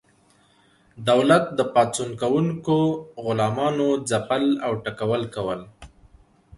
دولت د پاڅون کوونکو غلامانو ځپل او ټکول کول.